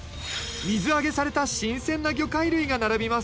水揚げされた新鮮な魚介類が並びます。